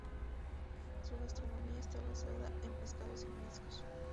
Su gastronomía está basada en pescados y mariscos.